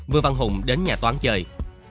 vương văn hùng đến nhà toán chơi